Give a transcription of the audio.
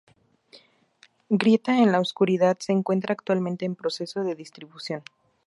Grieta en la Oscuridad se encuentra actualmente en proceso de distribución.